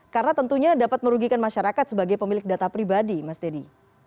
karena tentunya dapat merugikan masyarakat sebagai pemilik data pribadi mas dedy